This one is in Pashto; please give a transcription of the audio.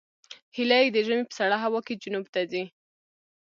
هیلۍ د ژمي په سړه هوا کې جنوب ته ځي